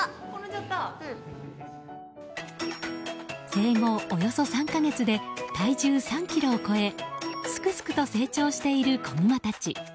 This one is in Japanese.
生後およそ３か月で体重３ｋｇを超えすくすくと成長している子グマたち。